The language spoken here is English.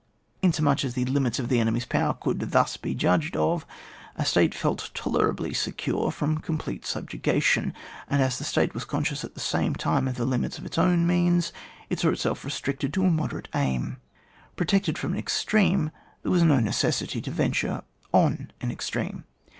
Inasmuch as the limits of the enemy's power could thus be judged of, a State felt tolerably secure from complete subjugation, and as the State was conscious at the same time of the limits of its own means, it saw itself restricted to a moderate aim. Protected from an extreme, there was no necessity to venture on an extreme.